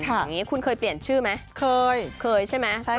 ค่ะคุณเคยเปลี่ยนชื่อไหมเคยเคยใช่ไหมใช่ค่ะ